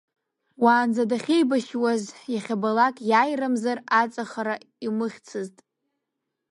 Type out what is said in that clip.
Уаанӡа дахьеибашьхьаз иахьабалалак иааирамзар аҵахара имыхьцызт.